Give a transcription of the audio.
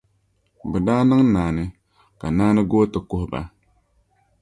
Bɛ daa niŋ naani, ka naani goo ti kuhi ba.